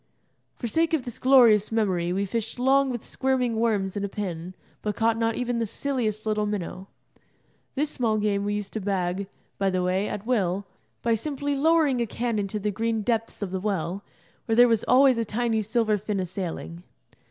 For sake of this glorious memory we fished long with squirming worms and a pin, but caught not even the silliest little minnow. This small game we used to bag, by the way, at will, by simply lowering a can into the green depths of the well, where there was always a tiny silver fin a sailing.